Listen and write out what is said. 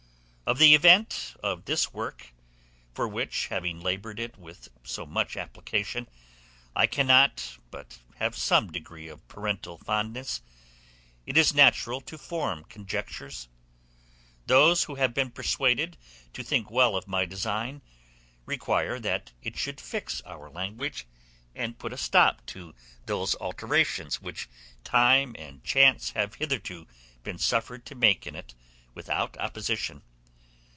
Of the event of this work, for which; having labored it with so much application, I cannot but have some degree of parental fondness, it is natural to form conjectures. Those who have been persuaded to think well of my design, will require that it should fix our language, and put a stop to those alterations which time and chance have hitherto been suffered to make in it without opposition.